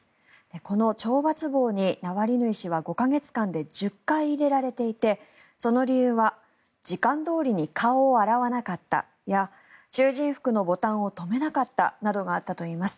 この懲罰房にナワリヌイ氏は５か月間で１０回入れられていてその理由は時間どおりに顔を洗わなかったや囚人服のボタンを留めなかったなどがあったといいます。